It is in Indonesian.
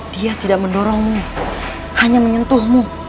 dia tidak mendorongmu hanya menyentuhmu